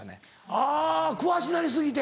あぁ詳しなり過ぎて。